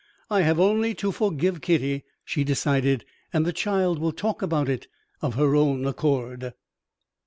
"I have only to forgive Kitty," she decided, "and the child will talk about it of her own accord."